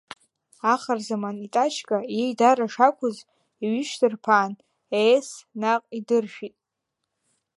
Ахарзаман итачка, иеидара шақәыз, иҩышьҭырԥаан, еес, наҟ идыршәит.